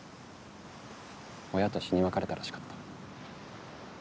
親と死に別れたらしかった。